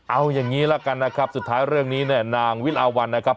เอาอย่างนี้ละกันนะครับสุดท้ายเรื่องนี้เนี่ยนางวิลาวันนะครับ